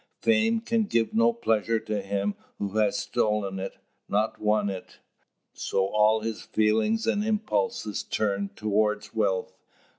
Fame can give no pleasure to him who has stolen it, not won it; so all his feelings and impulses turned towards wealth.